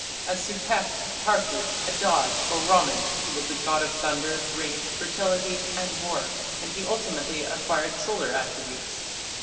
As Sutekh, Tarku, Adad, or Ramman, he was the god of thunder, rain, fertility, and war, and he ultimately acquired solar attributes.